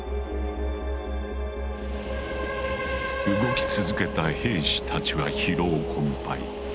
動き続けた兵士たちは疲労困ぱい。